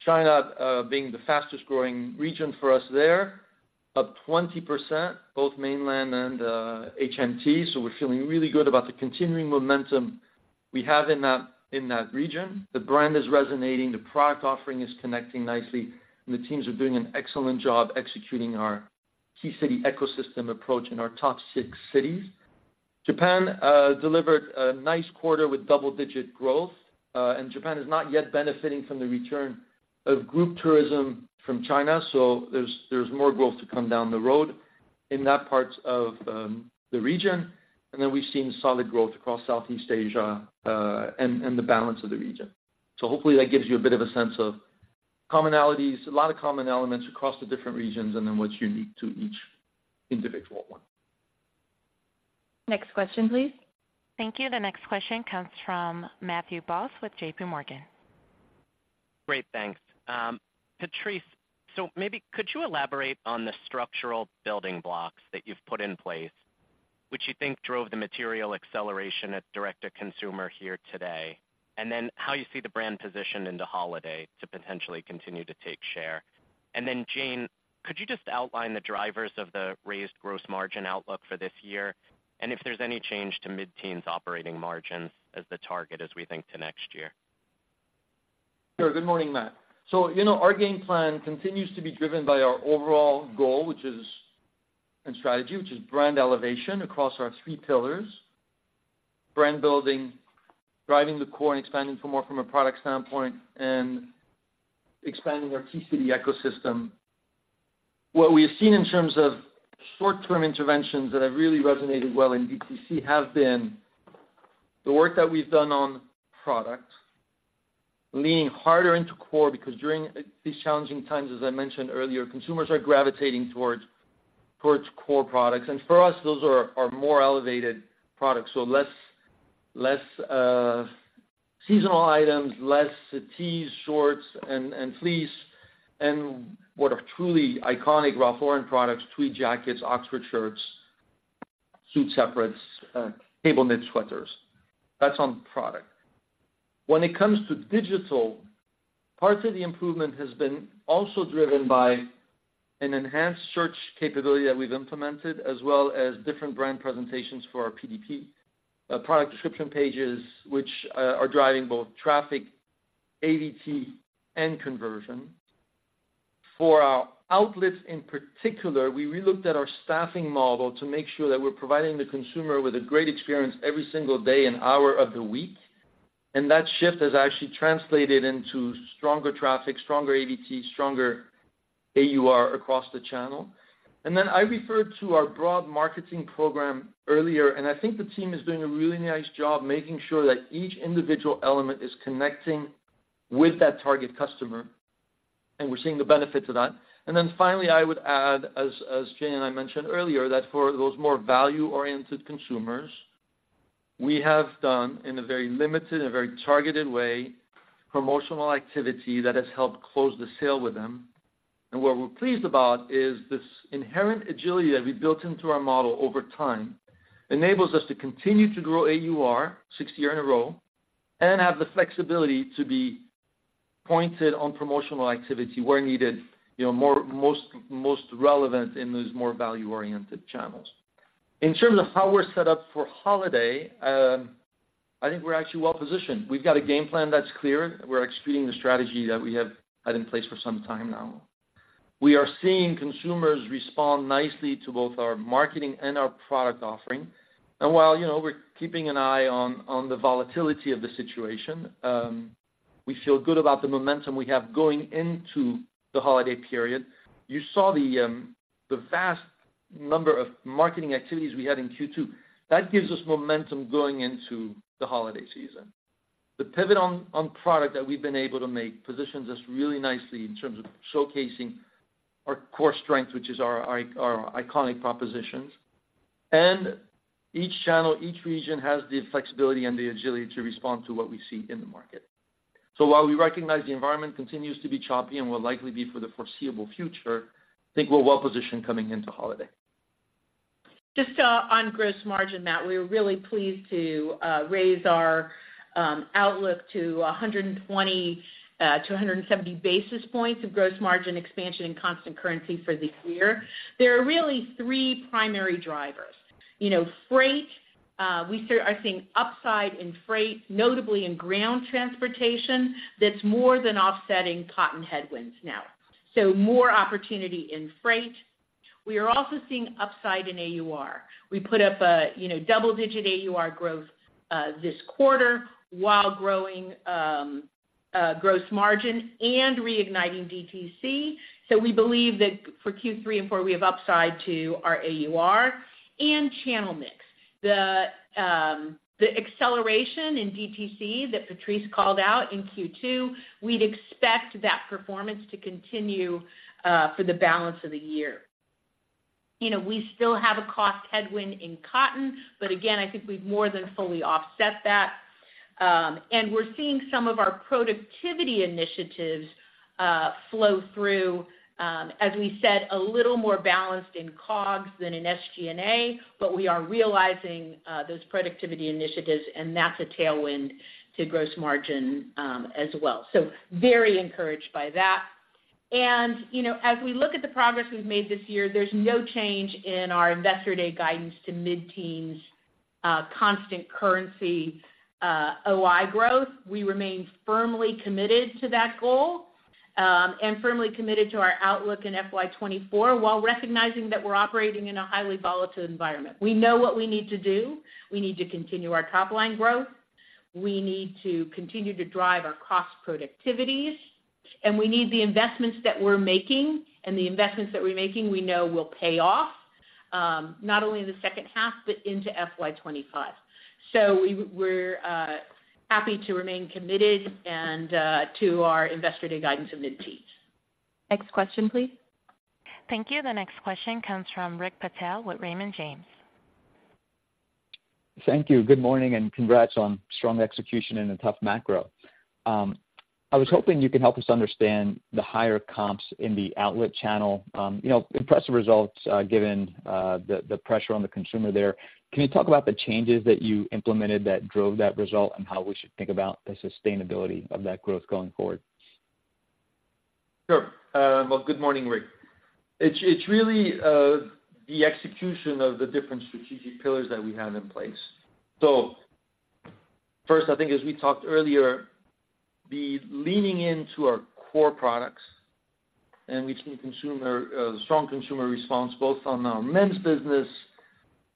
China, being the fastest growing region for us there, up 20%, both mainland and, HMT. So we're feeling really good about the continuing momentum we have in that, in that region. The brand is resonating, the product offering is connecting nicely, and the teams are doing an excellent job executing our Key City Ecosystem approach in our top six cities. Japan delivered a nice quarter with double-digit growth, and Japan is not yet benefiting from the return of group tourism from China, so there's more growth to come down the road in that part of the region. And then we've seen solid growth across Southeast Asia, and the balance of the region. So hopefully that gives you a bit of a sense of commonalities, a lot of common elements across the different regions and then what's unique to each individual one. Next question, please. Thank you. The next question comes from Matt Boss with JPMorgan. Great, thanks. Patrice, so maybe could you elaborate on the structural building blocks that you've put in place, which you think drove the material acceleration at direct-to-consumer here today, and then how you see the brand positioned into holiday to potentially continue to take share? And then, Jane, could you just outline the drivers of the raised gross margin outlook for this year, and if there's any change to mid-teens operating margins as the target as we think to next year? Sure. Good morning, Matt. So, you know, our game plan continues to be driven by our overall goal, which is and strategy, which is brand elevation across our three pillars: brand building, driving the core and expanding for more from a product standpoint, and expanding our Key City Ecosystem. What we have seen in terms of short-term interventions that have really resonated well in DTC have been the work that we've done on product, leaning harder into core, because during these challenging times, as I mentioned earlier, consumers are gravitating towards core products. And for us, those are more elevated products. So less seasonal items, less tees, shorts and fleece, and what are truly iconic Ralph Lauren products, tweed jackets, Oxford shirts, suit separates, cable knit sweaters. That's on product. When it comes to digital, part of the improvement has been also driven by an enhanced search capability that we've implemented, as well as different brand presentations for our PDP, product description pages, which, are driving both traffic, ADT, and conversion. For our outlets in particular, we relooked at our staffing model to make sure that we're providing the consumer with a great experience every single day and hour of the week, and that shift has actually translated into stronger traffic, stronger ADT, stronger AUR across the channel. And then I referred to our broad marketing program earlier, and I think the team is doing a really nice job making sure that each individual element is connecting with that target customer, and we're seeing the benefit to that. And then finally, I would add, as, as Jane and I mentioned earlier, that for those more value-oriented consumers-... We have done in a very limited and very targeted way, promotional activity that has helped close the sale with them. What we're pleased about is this inherent agility that we built into our model over time, enables us to continue to grow AUR sixth year in a row, and have the flexibility to be pointed on promotional activity where needed, you know, most relevant in those more value-oriented channels. In terms of how we're set up for holiday, I think we're actually well positioned. We've got a game plan that's clear. We're executing the strategy that we have had in place for some time now. We are seeing consumers respond nicely to both our marketing and our product offering. While, you know, we're keeping an eye on the volatility of the situation, we feel good about the momentum we have going into the holiday period. You saw the vast number of marketing activities we had in Q2. That gives us momentum going into the holiday season. The pivot on product that we've been able to make positions us really nicely in terms of showcasing our core strength, which is our iconic propositions. Each channel, each region has the flexibility and the agility to respond to what we see in the market. While we recognize the environment continues to be choppy and will likely be for the foreseeable future, I think we're well positioned coming into holiday. Just, on gross margin, Matt, we're really pleased to raise our outlook to 120-170 basis points of gross margin expansion in constant currency for the year. There are really three primary drivers. You know, freight, we are seeing upside in freight, notably in ground transportation, that's more than offsetting cotton headwinds now. So more opportunity in freight. We are also seeing upside in AUR. We put up a, you know, double-digit AUR growth this quarter while growing gross margin and reigniting DTC. So we believe that for Q3 and Q4, we have upside to our AUR and channel mix. The acceleration in DTC that Patrice called out in Q2, we'd expect that performance to continue for the balance of the year. You know, we still have a cost headwind in cotton, but again, I think we've more than fully offset that. And we're seeing some of our productivity initiatives, flow through, as we said, a little more balanced in COGS than in SG&A, but we are realizing, those productivity initiatives, and that's a tailwind to gross margin, as well. So very encouraged by that. And, you know, as we look at the progress we've made this year, there's no change in our Investor Day guidance to mid-teens, constant currency, OI growth. We remain firmly committed to that goal, and firmly committed to our outlook in FY 2024, while recognizing that we're operating in a highly volatile environment. We know what we need to do. We need to continue our top line growth, we need to continue to drive our cost productivities, and we need the investments that we're making, we know will pay off, not only in the second half, but into FY 2025. So we're happy to remain committed and to our Investor Day guidance of mid-teens. Next question, please. Thank you. The next question comes from Rick Patel with Raymond James. Thank you. Good morning, and congrats on strong execution in a tough macro. I was hoping you could help us understand the higher comps in the outlet channel. You know, impressive results, given the pressure on the consumer there. Can you talk about the changes that you implemented that drove that result and how we should think about the sustainability of that growth going forward? Sure. Well, good morning, Rick. It's really the execution of the different strategic pillars that we have in place. So first, I think as we talked earlier, the leaning into our core products, and we've seen consumer, strong consumer response, both on our men's business,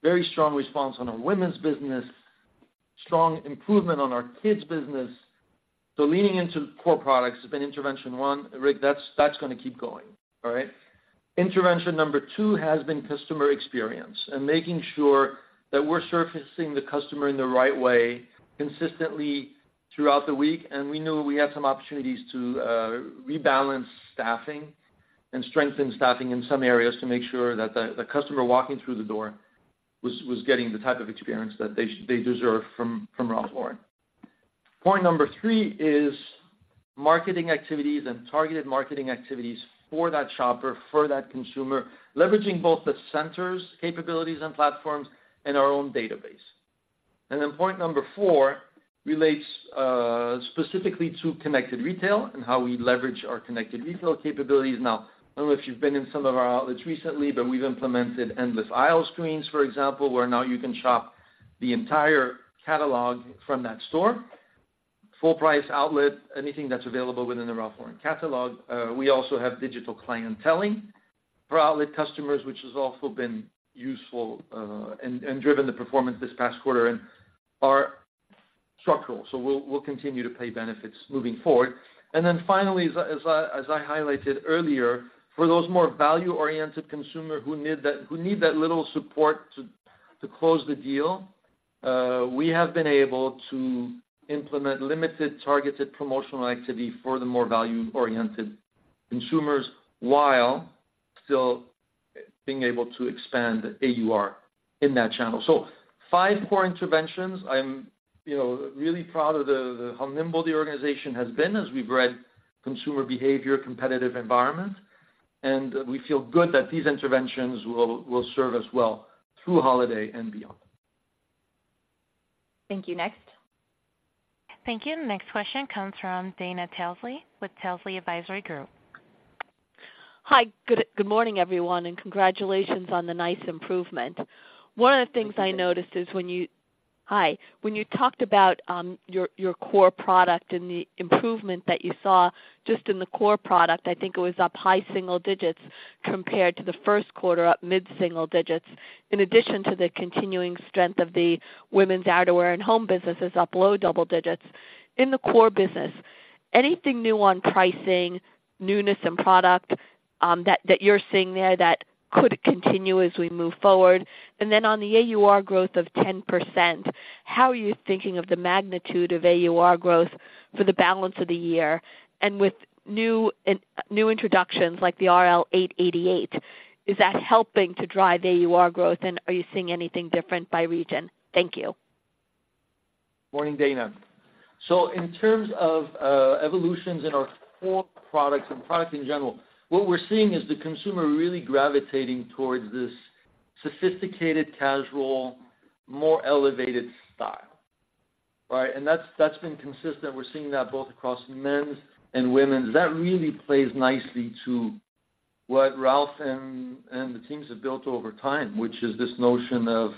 very strong response on our women's business, strong improvement on our kids business. So leaning into core products has been intervention one. Rick, that's gonna keep going. All right? Intervention number two has been customer experience and making sure that we're surfacing the customer in the right way, consistently throughout the week. And we knew we had some opportunities to rebalance staffing and strengthen staffing in some areas to make sure that the customer walking through the door was getting the type of experience that they deserve from Ralph Lauren. Point number three is marketing activities and targeted marketing activities for that shopper, for that consumer, leveraging both the centers, capabilities and platforms, and our own database. And then point number four relates specifically to Connected Retail and how we leverage our Connected Retail capabilities. Now, I don't know if you've been in some of our outlets recently, but we've implemented Endless Aisle screens, for example, where now you can shop the entire catalog from that store. Full price outlet, anything that's available within the Ralph Lauren catalog. We also have digital clienteling for outlet customers, which has also been useful and driven the performance this past quarter and are structural. So we'll continue to pay benefits moving forward. And then finally, as I highlighted earlier, for those more value-oriented consumers who need that little support to close the deal, we have been able to implement limited, targeted promotional activity for the more value-oriented consumers, while still being able to expand AUR in that channel. So five core interventions. I'm, you know, really proud of how nimble the organization has been as we've read consumer behavior, competitive environment, and we feel good that these interventions will serve us well through holiday and beyond. Thank you. Next? Thank you. The next question comes from Dana Telsey with Telsey Advisory Group. Hi, good morning, everyone, and congratulations on the nice improvement. One of the things I noticed is when you talked about your core product and the improvement that you saw just in the core product, I think it was up high single digits, compared to the first quarter, up mid-single digits, in addition to the continuing strength of the women's outerwear and home businesses up low double digits. In the core business, anything new on pricing, newness in product, that you're seeing there that could continue as we move forward? And then on the AUR growth of 10%, how are you thinking of the magnitude of AUR growth for the balance of the year? And with new introductions, like the RL 888, is that helping to drive AUR growth, and are you seeing anything different by region? Thank you. Morning, Dana. So in terms of evolutions in our core products and products in general, what we're seeing is the consumer really gravitating towards this sophisticated, casual, more elevated style. Right? And that's, that's been consistent. We're seeing that both across men's and women's. That really plays nicely to what Ralph and, and the teams have built over time, which is this notion of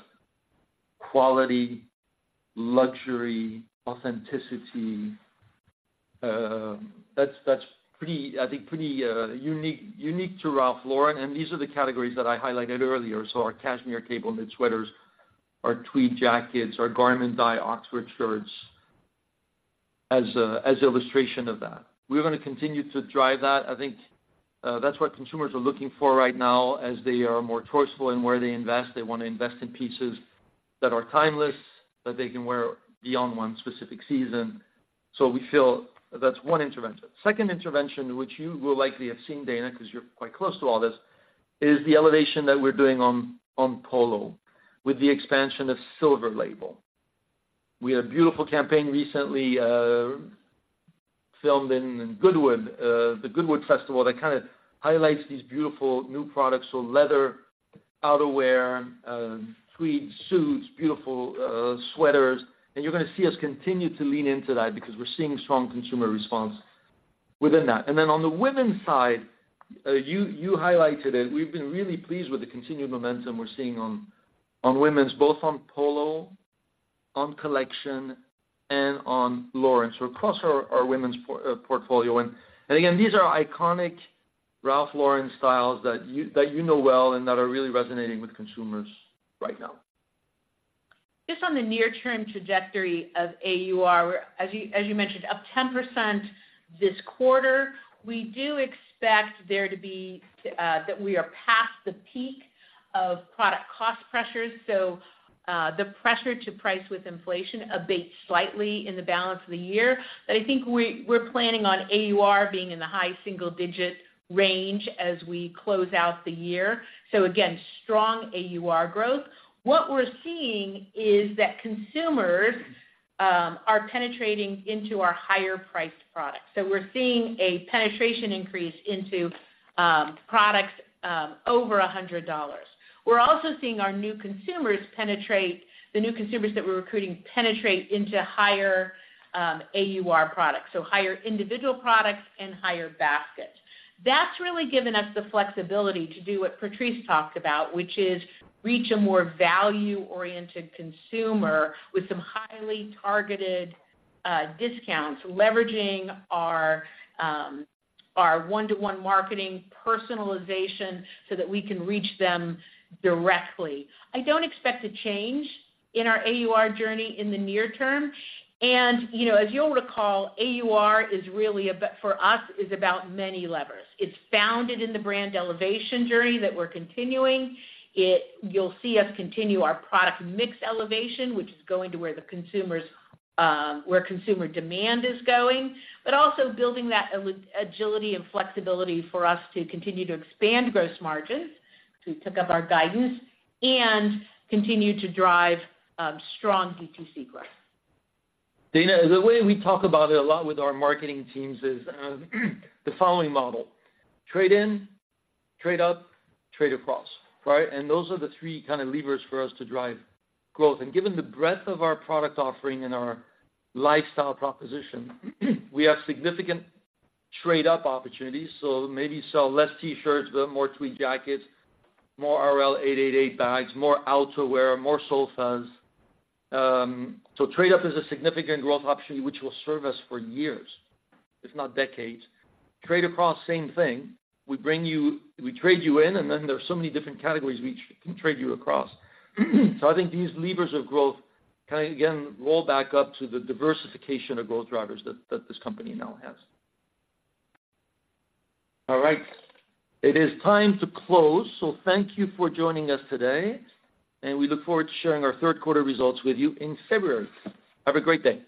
quality, luxury, authenticity. That's pretty, I think, pretty unique, unique to Ralph Lauren, and these are the categories that I highlighted earlier. So our cashmere cable knit sweaters, our tweed jackets, our garment dye Oxford shirts, as illustration of that. We're gonna continue to drive that. I think that's what consumers are looking for right now, as they are more choiceful in where they invest. They want to invest in pieces that are timeless, that they can wear beyond one specific season. So we feel that's one intervention. Second intervention, which you will likely have seen, Dana, because you're quite close to all this, is the elevation that we're doing on Polo, with the expansion of Silver Label. We had a beautiful campaign recently, filmed in Goodwood, the Goodwood Festival, that kind of highlights these beautiful new products. So leather, outerwear, tweed suits, beautiful sweaters, and you're gonna see us continue to lean into that because we're seeing strong consumer response within that. And then on the women's side, you highlighted it. We've been really pleased with the continued momentum we're seeing on women's, both on Polo, on Collection and on Lauren. So across our women's portfolio. Again, these are iconic Ralph Lauren styles that you know well, and that are really resonating with consumers right now. Just on the near term trajectory of AUR, as you mentioned, up 10% this quarter, we do expect there to be that we are past the peak of product cost pressures. So, the pressure to price with inflation abates slightly in the balance of the year. But I think we're planning on AUR being in the high single digit range as we close out the year. So again, strong AUR growth. What we're seeing is that consumers are penetrating into our higher priced products. So we're seeing a penetration increase into products over $100. We're also seeing our new consumers, the new consumers that we're recruiting, penetrate into higher AUR products, so higher individual products and higher basket. That's really given us the flexibility to do what Patrice talked about, which is reach a more value-oriented consumer with some highly targeted discounts, leveraging our one-to-one marketing personalization so that we can reach them directly. I don't expect a change in our AUR journey in the near term, and, you know, as you'll recall, AUR is really, for us, about many levers. It's founded in the brand elevation journey that we're continuing. You'll see us continue our product mix elevation, which is going to where the consumers, where consumer demand is going, but also building that agility and flexibility for us to continue to expand gross margins, to pick up our guidance and continue to drive strong DTC growth. Dana, the way we talk about it a lot with our marketing teams is, the following model: trade in, trade up, trade across. Right? And those are the three kind of levers for us to drive growth. And given the breadth of our product offering and our lifestyle proposition, we have significant trade up opportunities. So maybe sell less T-shirts, but more tweed jackets, more RL 888 bags, more outerwear, more sofas. So trade up is a significant growth option, which will serve us for years, if not decades. Trade across, same thing. We bring you, we trade you in, and then there are so many different categories we can trade you across. So I think these levers of growth, kind of, again, roll back up to the diversification of growth drivers that, that this company now has. All right. It is time to close, so thank you for joining us today, and we look forward to sharing our third quarter results with you in February. Have a great day.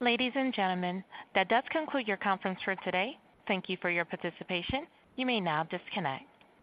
Ladies and gentlemen, that does conclude your conference for today. Thank you for your participation. You may now disconnect.